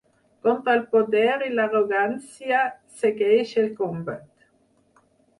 Contra el poder i l’arrogància, segueix el combat.